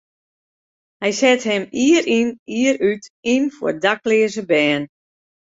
Hy set him jier yn jier út yn foar dakleaze bern.